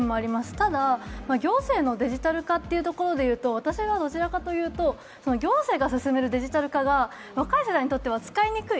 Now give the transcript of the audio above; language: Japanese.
ただ、行政のデジタル化というところで言うと私はどちらかというと行政が進めるデジタル化が若い世代にとっては使いにくい。